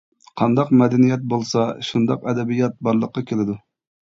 قانداق مەدەنىيەت بولسا شۇنداق ئەدەبىيات بارلىققا كېلىدۇ.